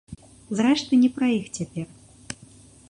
Зрэшты, не пра іх цяпер.